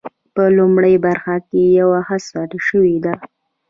په لومړۍ برخه کې یوه هڅه شوې ده.